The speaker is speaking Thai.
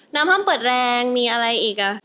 น้ำห้ามเปิดแรงมีอะไรอีก